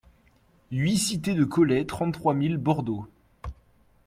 huit cité de Caulet, trente-trois mille Bordeaux